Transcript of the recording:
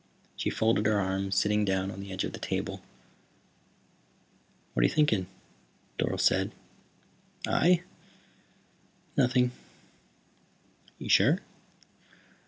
She folded her arms, sitting down on the edge of the table. "What are you thinking?" Dorle said. "I? Nothing." "Are you sure?"